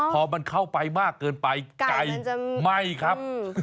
พอมันเข้าไปมากเกินไปไก่ไหม้ครับ